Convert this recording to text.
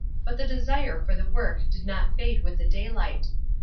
But the desire for the work did not fade with the daylight.